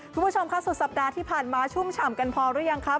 คุณผู้ชมค่ะสุดสัปดาห์ที่ผ่านมาชุ่มฉ่ำกันพอหรือยังครับ